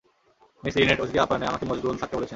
Miss Lynette অতিথি আপ্যায়নে আমাকে মশগুল থাকতে বলেছেন।